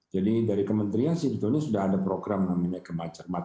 jadi dari kementerian situ sudah ada program namanya kemacemat